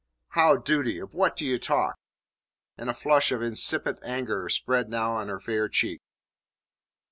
"How duty? Of what do you talk?" And a flush of incipient anger spread now on her fair cheek.